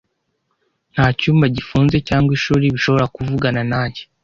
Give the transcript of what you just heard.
Nta cyumba gifunze cyangwa ishuri bishobora kuvugana nanjye,